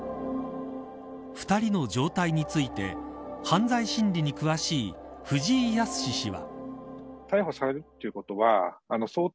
２人の状態について犯罪心理に詳しい藤井靖氏は。